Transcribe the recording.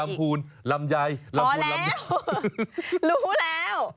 อะไรอีกพอแล้วรู้แล้ว